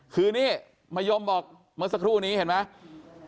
คือนี่มะยมบอกเมื่อสักครู่นี้เห็นไหม